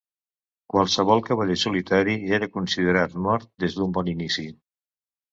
Qualsevol cavaller solitari era considerat mort des d'un bon inici.